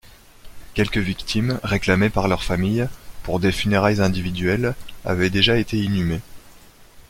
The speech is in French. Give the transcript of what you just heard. Quelques victimes, réclamées par leurs familles, pour des funérailles individuelles, avaient déjà été inhumées.